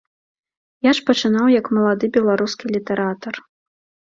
Я ж пачынаў, як малады беларускі літаратар.